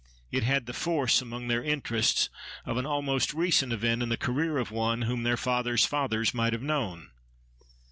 It had the force, among their interests, of an almost recent event in the career of one whom their fathers' fathers might have known.